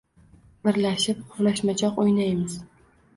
– Birgalashib quvlashmachoq o‘ynaymiz